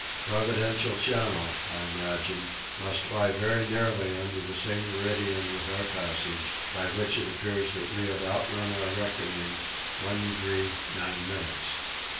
Providential channel, I imagine, must lie very nearly under the same meridian with our passage, by which it appears we had out run our reckoning 1 degree 9 minutes.